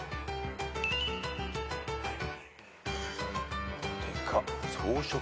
はい。